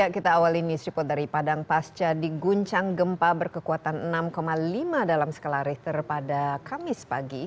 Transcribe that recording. kita awalin news report dari padang pasca di guncang gempa berkekuatan enam lima dalam sekelari terpada kamis pagi